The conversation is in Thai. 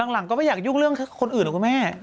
หลังก็ไม่อยากยุ่งเรื่องคนอื่นเหรอคุณแม่